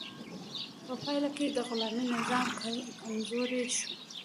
په پایله کې د غلامي نظام کمزوری شو.